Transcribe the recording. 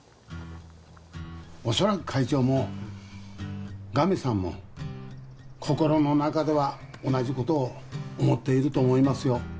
おそらく会長もガミさんも心の中では同じことを思っていると思いますよ